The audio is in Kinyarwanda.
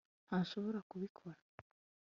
ntashobora kubikora